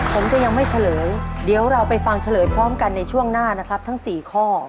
ผมจะยังไม่เฉลยเดี๋ยวเราไปฟังเฉลยพร้อมกันในช่วงหน้านะครับทั้ง๔ข้อ